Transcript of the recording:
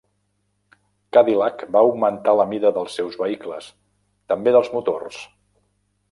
Cadillac va augmentar la mida dels seus vehicles, també dels motors.